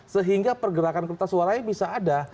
sehingga pergerakan kertas suaranya bisa ada